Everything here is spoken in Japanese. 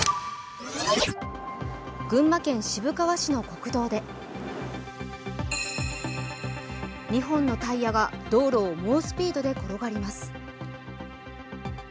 群馬県渋川市の国道で２本のタイヤが道路を猛スピードで転がります。